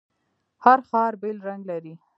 هر ښار بیل رنګ لري.